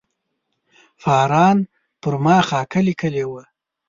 فاران پر ما خاکه لیکلې وه.